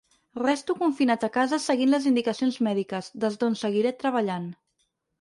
Resto confinat a casa seguint les indicacions mèdiques, des d’on seguiré treballant.